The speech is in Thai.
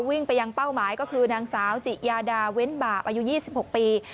วิ่งไปยังเป้าหมายก็คือนางสาวจิยาดาเว้นบาปอายุ๒๖ปี